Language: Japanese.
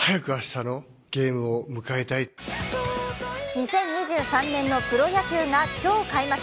２０２３年のプロ野球が今日、開幕。